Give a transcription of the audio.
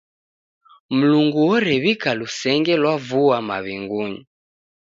Mlungu orew'ika lusenge lwa vua maw'ingunyi.